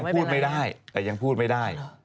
แต่ก็ยังพูดไม่ได้